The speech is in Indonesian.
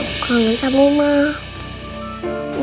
aku kangen sama emang